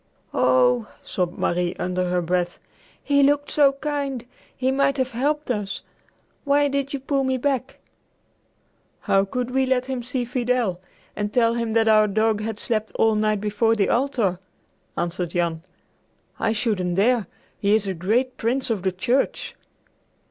"Oh," sobbed Marie under her breath, "he looked so kind! He might have helped us. Why did you pull me back?" "How could we let him see Fidel, and tell him that our dog had slept all night before the altar?" answered Jan. "I shouldn't dare! He is a great Prince of the Church!"